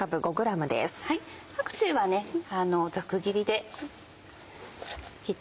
パクチーはざく切りで切って。